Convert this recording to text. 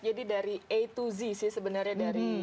jadi dari a to z sih sebenarnya dari